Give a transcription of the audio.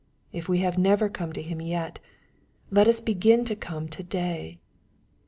If we have never come to Him yet, let us begin to come to day.